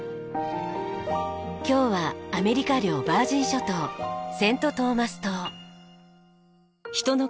今日はアメリカ領ヴァージン諸島セント・トーマス島。